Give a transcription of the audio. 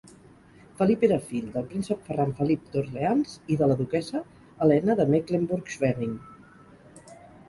Felip era fill del príncep Ferran Felip d'Orleans i de la duquessa Helena de Mecklenburg-Schwerin.